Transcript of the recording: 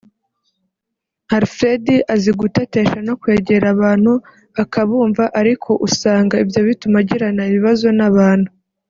Alfred azi gutetesha no kwegera abantu akabumva ariko usanga ibyo bituma agirana ibibazo n’abantu